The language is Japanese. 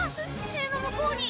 へいの向こうに。